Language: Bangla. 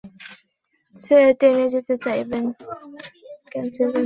তবে মাশরাফিরা নিশ্চয়ই বৃষ্টির দাক্ষিণ্যে নয়, খেলেই সুপার টেনে যেতে চাইবেন।